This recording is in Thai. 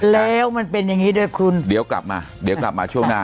แล้วมันเป็นอย่างงี้ด้วยคุณเดี๋ยวกลับมาเดี๋ยวกลับมาช่วงหน้า